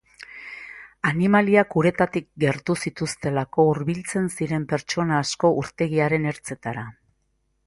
Animaliak uretatik gertu zituztelako hurbiltzen ziren pertsona asko urtegiaren ertzetara.